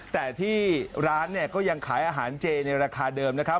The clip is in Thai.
แต่ที่ร้านเนี่ยก็ยังขายอาหารเจในราคาเดิมนะครับ